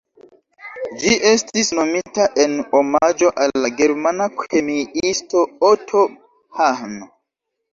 Ĝi estis nomita en omaĝo al la germana kemiisto Otto Hahn.